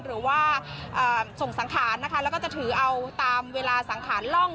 หรือว่าส่งสังขารนะคะแล้วก็จะถือเอาตามเวลาสังขารล่อง